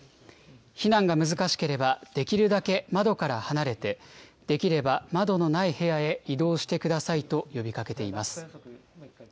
避難が難しければ、できるだけ窓から離れて、できれば窓のない部屋へ移動してくださいと呼びかけています。